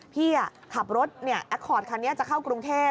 พี่ขับรถแอคคอร์ดคันนี้จะเข้ากรุงเทพ